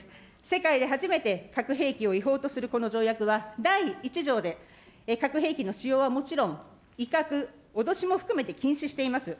世界で初めて核兵器を違法とするこの条約は、第１条で、核兵器の使用はもちろん、威嚇、脅しも含めて禁止しています。